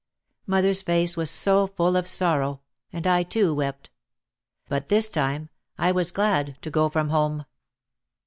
Mother's face was so full of sorrow and I too wept. But this time I was glad to go from home.